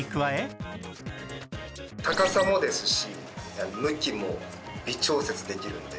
高さもですし向きも微調節できるんで。